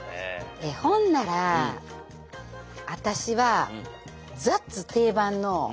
ほんなら私はザッツ定番の桃で。